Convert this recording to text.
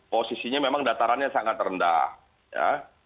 posisinya memang datarannya sangat rendah ya